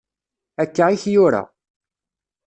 Akka i k-yura.